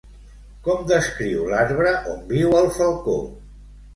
Com descriu l'arbre on viu el falcó?